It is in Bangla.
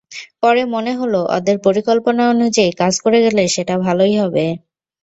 পরে মনে হলো, ওদের পরিকল্পনা অনুযায়ী কাজ করা গেলে সেটা ভালোই হবে।